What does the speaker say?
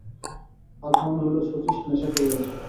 আজ মনে হইল শচীশ নেশা করিয়াছে।